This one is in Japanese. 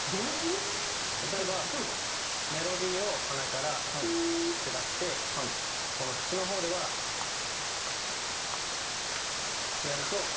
例えば？メロディーを鼻から「ウー」って出してこの口の方では。ってやると。